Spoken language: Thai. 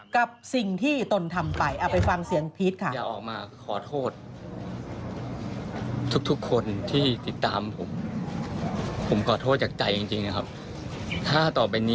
กับสิ่งที่ตนทำไปเอาไปฟังเสียงพีชค่ะ